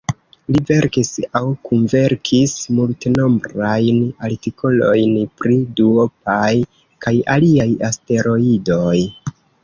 Li verkis aŭ kunverkis multenombrajn artikolojn pri duopaj kaj aliaj asteroidoj.